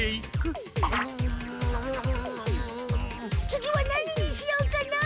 次は何にしようかな。